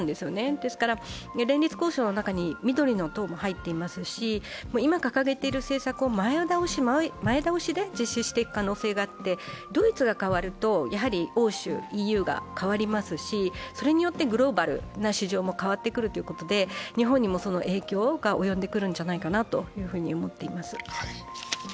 ですから、連立交渉の中に緑の党も入っていますし、今掲げている政策を前倒しで実施していく可能性があってドイツが変わると欧州、ＥＵが変わりますし、それによってグローバルな市場も変わってくるということで、日本にもその影響が及んでくるんじゃないかと思っています。